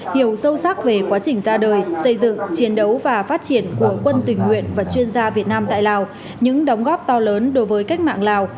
hiểu sâu sắc về quá trình ra đời xây dựng chiến đấu và phát triển của quân tình nguyện và chuyên gia việt nam tại lào những đóng góp to lớn đối với cách mạng lào